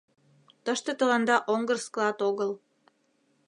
— Тыште тыланда оҥгыр склад огыл!